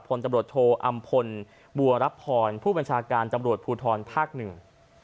พลตำรวจโทอำพลบัวรับพรผู้บัญชาการตำรวจภูทรภาคหนึ่ง